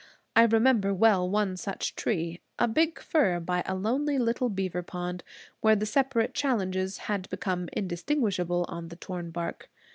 I remember well one such tree, a big fir, by a lonely little beaver pond, where the separate challenges had become indistinguishable on the torn bark.